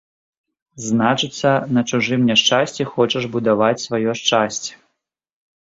Значыцца, на чужым няшчасці хочаш будаваць сваё шчасце!